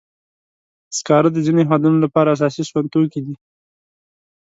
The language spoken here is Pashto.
سکاره د ځینو هېوادونو لپاره اساسي سون توکي دي.